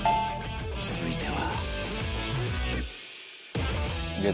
続いては